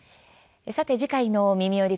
次回の「みみより！